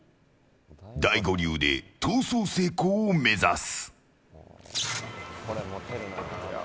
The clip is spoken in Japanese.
大悟流で逃走成功を目指す。